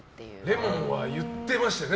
レモンは言ってましたよね